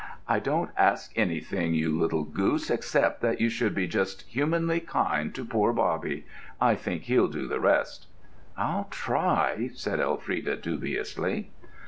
"I don't ask anything, you little goose, except that you should be just humanly kind to poor Bobby—I think he'll do the rest!" "I'll try," said Elfrida dubiously.